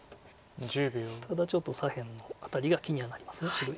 ただちょっと左辺のあたりが気にはなります白石。